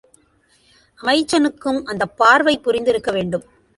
அமைச்சனுக்கும் அந்தப் பார்வை புரிந்திருக்க வேண்டும்.